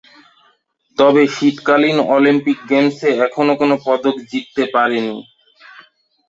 তবে শীতকালীন অলিম্পিক গেমসে এখনো কোন পদক জিততে পারেনি।